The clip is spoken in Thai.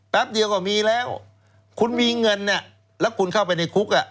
เดียวก็มีแล้วคุณมีเงินแล้วคุณเข้าไปในคุกอ่ะ